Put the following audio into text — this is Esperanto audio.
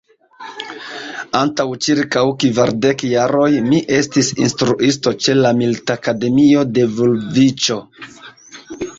Antaŭ ĉirkaŭ kvardek jaroj mi estis instruisto ĉe la militakademio de Vulviĉo.